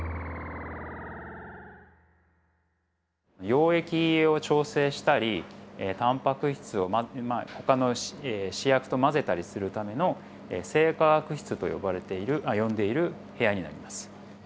溶液を調整したりタンパク質をほかの試薬と混ぜたりするための生化学室と呼ばれている呼んでいる部屋になります。